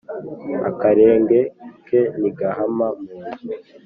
Akarenge ke ntigahama mu nzu